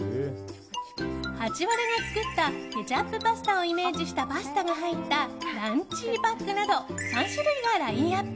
ハチワレが作ったケチャップパスタをイメージしたパスタが入ったランちいパックなど３種類がラインアップ。